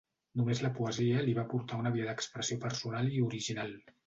Només la poesia li va aportar una via d'expressió personal i original.